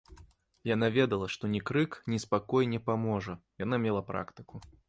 Яна ведала, што ні крык, ні спакой не паможа, яна мела практыку.